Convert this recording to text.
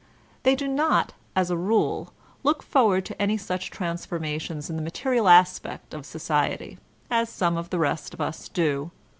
They do not, as a rule, look forward to any such transforma tions in the material aspect of society, as some of the rest of us do.